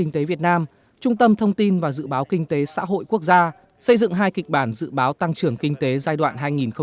việt nam trung tâm thông tin và dự báo kinh tế xã hội quốc gia xây dựng hai kịch bản dự báo tăng trưởng kinh tế giai đoạn hai nghìn hai mươi một hai nghìn hai mươi